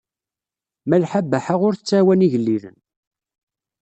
Malḥa Baḥa ur tettɛawan igellilen.